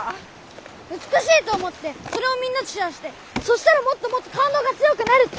美しいと思ってそれをみんなとシェアしてそしたらもっともっとかんどうが強くなるって。